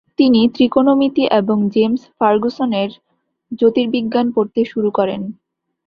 তিনি ত্রিকোণমিতি এবং জেমস ফার্গুসনের জ্যোর্তিবিজ্ঞান পড়তে শুরু করেন।